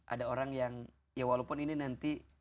ada orang yang ya walaupun ini nanti